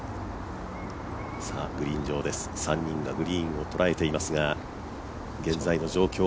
グリーン上です、３人がグリーンを捉えていますが現在の状況。